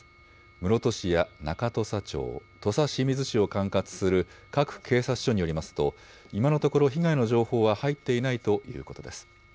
室戸市や中土佐町、土佐清水市を管轄する各警察署によりますと今のところ被害の情報は入っていないということです。